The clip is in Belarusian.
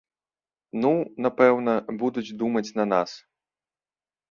Ну, напэўна, будуць думаць на нас.